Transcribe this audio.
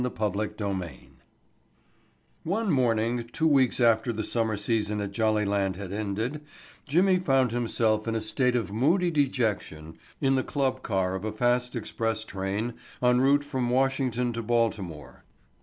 Chapter Twelve One morning two weeks after the summer season at Jollyland had ended Jimmy found himself in a state of moody dejection in the club car of a fast express train en route from Washington to Baltimore.